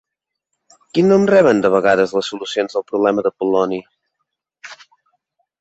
Quin nom reben de vegades les solucions del problema d'Apol·loni?